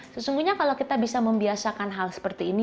sesungguhnya kalau kita bisa membiasakan hal seperti ini